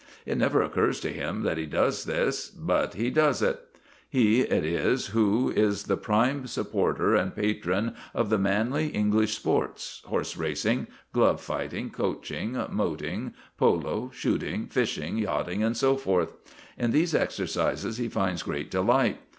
It never occurs to him that he does this, but he does it. He it is, too, who is the prime supporter and patron of the manly English sports, horse racing, glove fighting, coaching, moting, polo, shooting, fishing, yachting, and so forth. In these exercises he finds great delight.